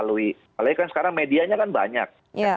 apalagi kan sekarang medianya kan banyak